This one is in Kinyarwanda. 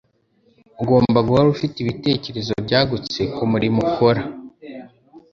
Ugomba guhora ufite ibitekerezo byagutse kumurimo ukora.